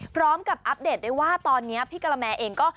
พร้อมกับอัปเดตได้ว่าตอนนี้พี่กาลแมร์เองก็